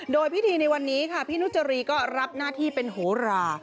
โดยพิธีในวันนี้ค่ะพี่นุจรีก็รับหน้าที่เป็นโหรา